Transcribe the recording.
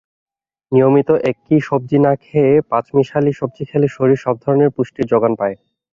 নিয়মিত একই সবজি না খেয়ে পাঁচমিশালী সবজি খেলে শরীর সব ধরনের পুষ্টির জোগান পায়।